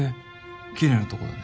きれいなとこだね